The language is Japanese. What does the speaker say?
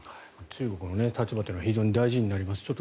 中国の立場というのは非常に大事になります。